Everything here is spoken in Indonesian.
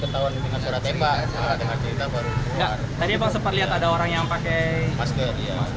tadi apa sempat lihat ada orang yang pakai masker